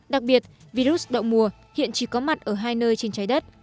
đặc biệt virus động mùa hiện chỉ có mặt ở hai nơi trên trái đất